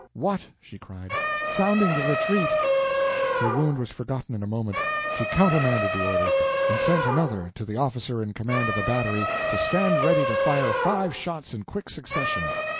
"What!" she cried. "Sounding the retreat!" Her wound was forgotten in a moment. She countermanded the order, and sent another, to the officer in command of a battery, to stand ready to fire five shots in quick succession.